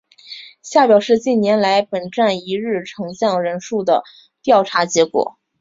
下表是近年来本站一日乘降人数的调查结果。